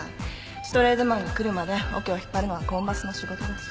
シュトレーゼマンが来るまでオケを引っ張るのはコンマスの仕事だし。